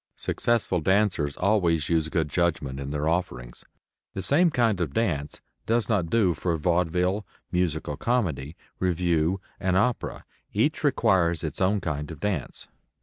Successful dancers always use good judgment in their offerings. The same kind of dance does not do for vaudeville, musical comedy, revue and opera. Each requires its own kind of dance.